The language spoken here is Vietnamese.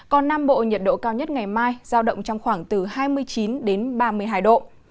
còn nam bộ nhiệt độ cao nhất ngày mai giao động trong khoảng từ hai mươi chín đến ba mươi hai độ